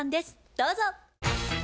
どうぞ。